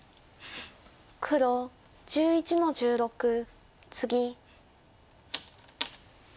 黒１１の十六ツギ。